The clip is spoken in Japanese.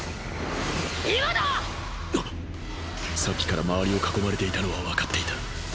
さっきから周りを囲まれていたのはわかっていた。